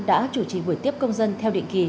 đã chủ trì buổi tiếp công dân theo định kỳ